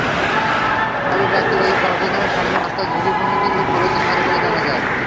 তবে ব্যক্তিগত কলকারখানার সামনের রাস্তায় ঝুঁকিপূর্ণ কিছু ক্রসিং আছে বলেও জানা যায়।